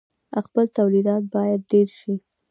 خپل تولیدات باید ډیر شي.